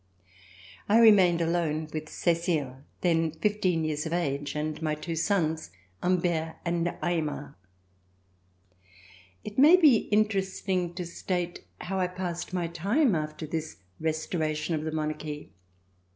I remained alone with Cecile, then fifteen years of age, and my two sons, Humbert and Aymar. It may be interesting to state how I passed my time after this restoration of the Monarchy.